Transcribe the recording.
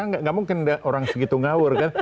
nggak mungkin orang segitu ngawur kan